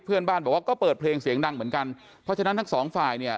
เพื่อนบ้านบอกว่าก็เปิดเพลงเสียงดังเหมือนกันเพราะฉะนั้นทั้งสองฝ่ายเนี่ย